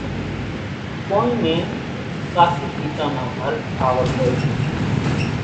ڪونئين نين ڪاسِي ڀيتان نان گھر ٺاوَل هوئيَ سي۔